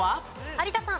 有田さん。